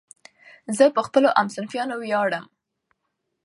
زه په خپلو همصنفیانو ویاړم.